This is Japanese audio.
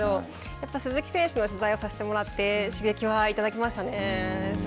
やっぱり鈴木選手の取材をさせてもらって、刺激はいただきましたね。